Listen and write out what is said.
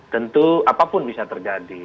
tentu apapun bisa terjadi